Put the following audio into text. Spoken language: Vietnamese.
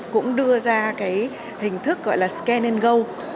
cũng đưa ra cái hình thức gọi là scanne go